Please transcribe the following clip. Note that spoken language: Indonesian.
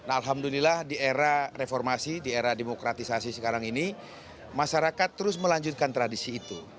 alhamdulillah di era reformasi di era demokratisasi sekarang ini masyarakat terus melanjutkan tradisi itu